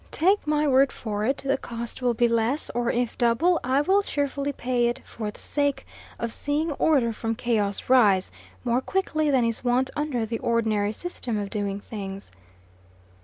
Take my word for it, the cost will be less; or, if double, I will cheerfully pay it for the sake of seeing 'order from chaos rise' more quickly than is wont under the ordinary system of doing things."